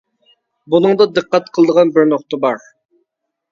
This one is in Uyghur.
بۇنىڭدا دىققەت قىلىدىغان بىر نۇقتا بار.